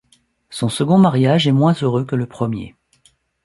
Son second mariage est moins heureux que le premier.